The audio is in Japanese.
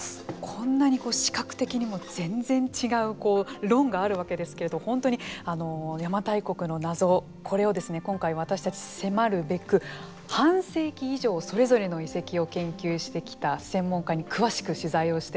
こんなに視覚的にも全然違う論があるわけですけれど本当に、邪馬台国の謎これを今回私たち迫るべく半世紀以上、それぞれの遺跡を研究してきた専門家に詳しく取材をしています。